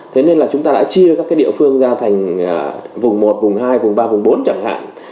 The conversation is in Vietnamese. thế nên là chúng ta đã chia các cái địa phương ra thành vùng một vùng hai vùng ba vùng bốn chẳng hạn